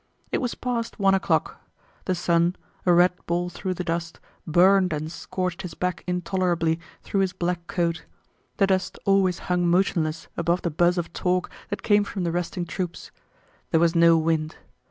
It was past one o'clock. The sun, a red ball through the dust, burned and scorched his back intolerably through his black coat. The dust always hung motionless above the buzz of talk that came from the resting troops. There was no wind.